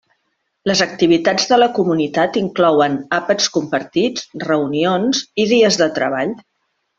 Les activitats de la comunitat inclouen àpats compartits, reunions, i dies de treball.